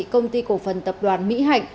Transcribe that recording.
công ty cổ phần tập đoàn mỹ hạnh